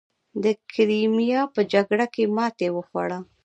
د کریمیا په جګړه کې ماتې وخوړه.